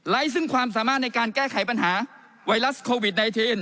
ซึ่งความสามารถในการแก้ไขปัญหาไวรัสโควิด๑๙